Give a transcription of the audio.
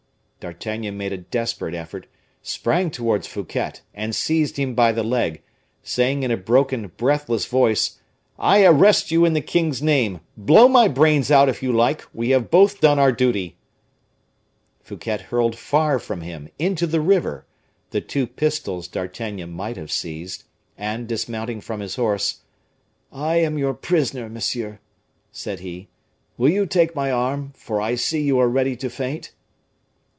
D'Artagnan made a desperate effort, sprang towards Fouquet, and seized him by the leg, saying in a broken, breathless voice, "I arrest you in the king's name! blow my brains out, if you like; we have both done our duty." Fouquet hurled far from him, into the river, the two pistols D'Artagnan might have seized, and dismounting from his horse "I am your prisoner, monsieur," said he; "will you take my arm, for I see you are ready to faint?"